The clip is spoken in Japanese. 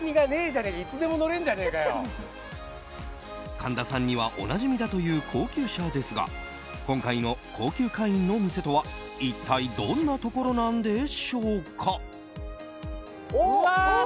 神田さんにはおなじみだという高級車ですが今回の高級会員の店とは一体どんなところなんでしょうか。